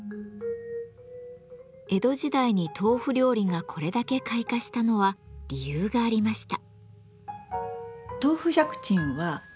江戸時代に豆腐料理がこれだけ開花したのは理由がありました。